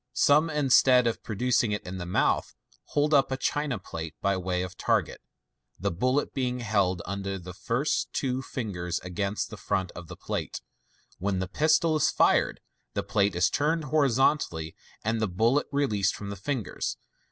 Some, in stead of producing it in the mouth, hold up a china plate by way of target, the bullet being held under the two first fingers against the front of the plate. When the pistol is fired, the plate is turned hori zontally, and the bullet released from the fingers.